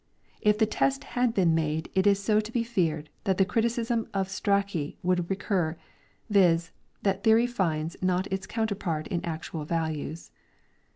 If the test had been made it is to be feared that the criticism of Strachey would recur, viz, that theory finds not its counterpart in actuah values.